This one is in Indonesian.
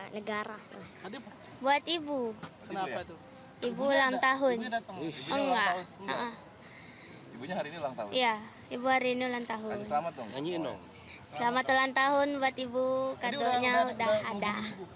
selamat ulang tahun buat ibu kado nya udah ada